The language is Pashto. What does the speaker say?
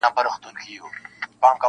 • هريو څاڅکی يې هلمند دی -